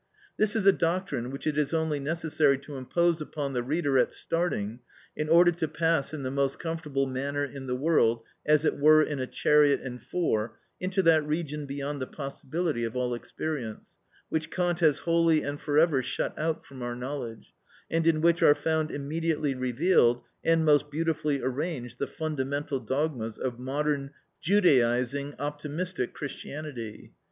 This is a doctrine which it is only necessary to impose upon the reader at starting, in order to pass in the most comfortable manner in the world, as it were in a chariot and four, into that region beyond the possibility of all experience, which Kant has wholly and for ever shut out from our knowledge, and in which are found immediately revealed and most beautifully arranged the fundamental dogmas of modern, Judaising, optimistic Christianity.